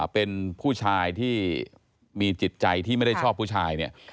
เป็นผู้ชายที่มีจิตใจที่ไม่ได้ชอบผู้ชายเนี่ย